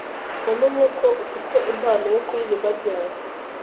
Wamenye ko ufite impano yo kuririmba ryari